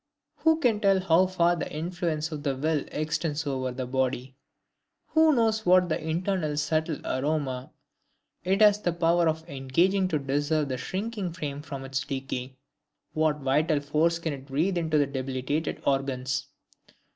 Who can tell how far the influence of the will extends over the body? Who knows what internal subtle aroma it has the power of disengaging to preserve the sinking frame from decay; what vital force it can breathe into the debilitated organs?